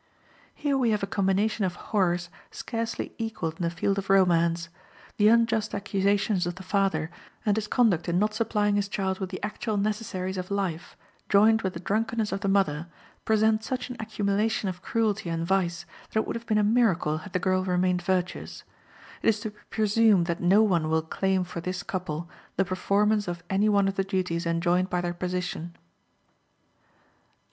Here we have a combination of horrors scarcely equaled in the field of romance. The unjust accusations of the father, and his conduct in not supplying his child with the actual necessaries of life, joined with the drunkenness of the mother, present such an accumulation of cruelty and vice that it would have been a miracle had the girl remained virtuous. It is to be presumed that no one will claim for this couple the performance of any one of the duties enjoined by their position.